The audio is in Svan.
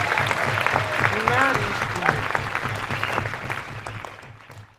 იმ’ა̄̈̈რი ისგუ მუ?